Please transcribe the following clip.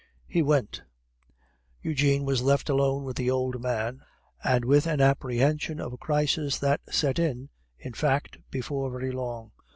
He went. Eugene was left alone with the old man, and with an apprehension of a crisis that set in, in fact, before very long.